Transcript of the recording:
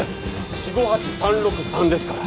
Ｃ５８３６３ですから！